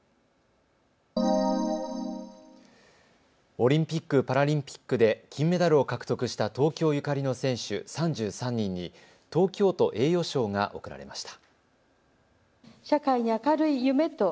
オリンピック・パラリンピックで金メダルを獲得した東京ゆかりの選手３３人に東京都栄誉賞が贈られました。